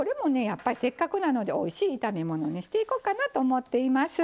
やっぱりせっかくなのでおいしい炒め物にしていこうかなと思っています。